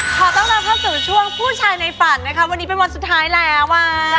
ขอต้อนรับเข้าสู่ช่วงผู้ชายในฝันนะคะวันนี้เป็นวันสุดท้ายแล้ว